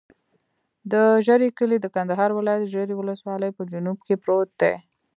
د ژرۍ کلی د کندهار ولایت، ژرۍ ولسوالي په جنوب کې پروت دی.